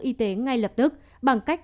y tế ngay lập tức bằng cách